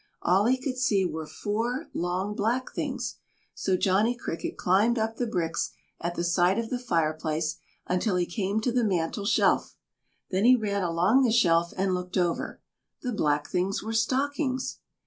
All he could see were four long black things, so Johnny Cricket climbed up the bricks at the side of the fireplace until he came to the mantel shelf, then he ran along the shelf and looked over. The black things were stockings.